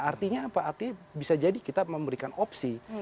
artinya apa artinya bisa jadi kita memberikan opsi